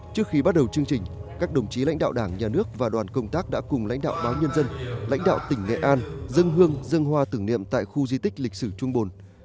trước khi bắt đầu chương trình các đồng chí lãnh đạo đảng nhà nước và đoàn công tác đã cùng lãnh đạo báo nhân dân lãnh đạo tỉnh nghệ an dân hương dân hoa tưởng niệm tại khu di tích lịch sử trung bồn